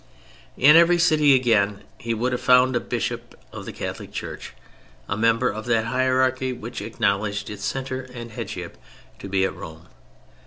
In every city, again, he would have found a Bishop of the Catholic Church, a member of that hierarchy which acknowledged its centre and headship to be at Rome.